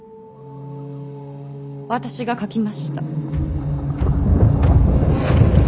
私が書きました。